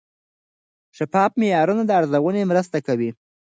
شفاف معیارونه د ارزونې مرسته کوي.